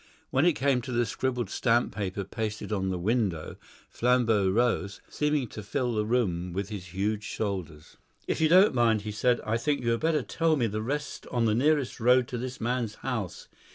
When it came to the scribbled stamp paper pasted on the window, Flambeau rose, seeming to fill the room with his huge shoulders. "If you don't mind," he said, "I think you had better tell me the rest on the nearest road to this man's house.